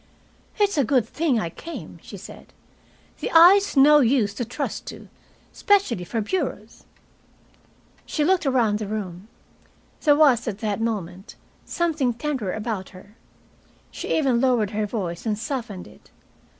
"It's a good thing I came," she said. "The eye's no use to trust to, especially for bureaus." She looked around the room. There was, at that moment, something tender about her. She even lowered her voice and softened it.